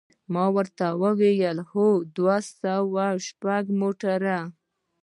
ما ورته وویل: هو، دوه سوه شپږ موټر دی.